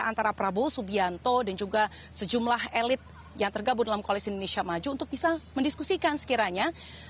antara prabowo subianto dan juga sejumlah elit yang tergabung dalam koalisi indonesia maju untuk bisa mendiskusikan sekiranya